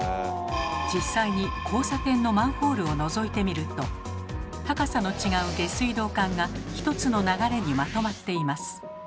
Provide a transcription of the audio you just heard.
実際に交差点のマンホールをのぞいてみると高さの違う下水道管が１つの流れにまとまっています。